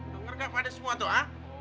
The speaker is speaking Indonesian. lo ngergak pada semua tuh ha